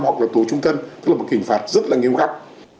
hoặc là tổ trung thân tức là một hình phạt rất nghiêm khắc